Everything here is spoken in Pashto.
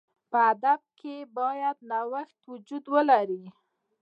په ادب کښي باید نوښت وجود ولري.